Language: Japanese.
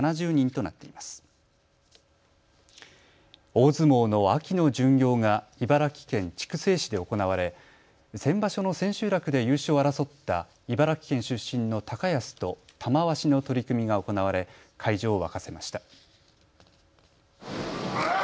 大相撲の秋の巡業が茨城県筑西市で行われ先場所の千秋楽で優勝を争った茨城県出身の高安と玉鷲の取組が行われ会場を沸かせました。